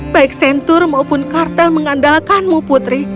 baik centur maupun kartel mengandalkanmu putri